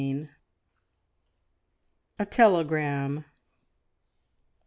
A TELEGRAM.